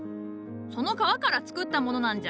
その皮から作ったものなんじゃ。